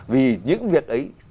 vì những việc ấy